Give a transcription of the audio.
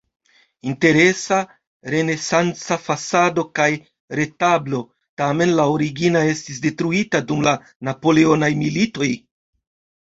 Interesa renesanca fasado kaj retablo, tamen la origina estis detruita dum la napoleonaj militoj.